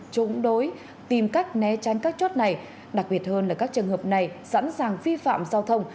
chúng đối tìm cách né tránh các chốt này đặc biệt hơn là các trường hợp này sẵn sàng vi phạm giao thông